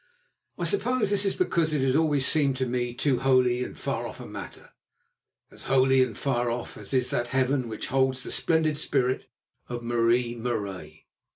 I suppose this is because it has always seemed to me too holy and far off a matter—as holy and far off as is that heaven which holds the splendid spirit of Marie Marais.